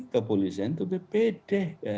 kepolisian itu bpd